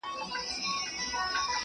پاکه هوا ذهن تازه ساتي.